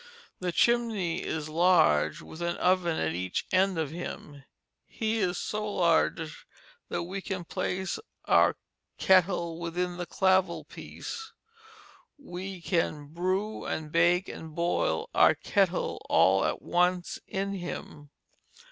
"The Chimney is large, with an oven at each end of him: he is so large that wee can place our Cyttle within the Clavell piece. Wee can brew and bake and boyl our Cyttle all at once in him."